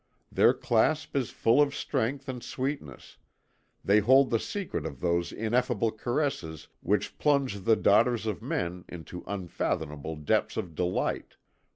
Their clasp is full of strength and sweetness, they hold the secret of those ineffable caresses which plunge the daughters of men into unfathomable depths of delight.